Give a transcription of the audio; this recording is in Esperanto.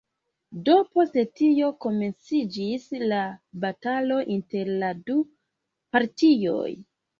Do post tio komenciĝis la batalo inter la du partioj.